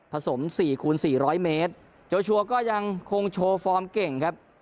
สมสี่คูณ๔๐๐เมตรโจชัวร์ก็ยังคงโชว์ฟอร์มเก่งครับ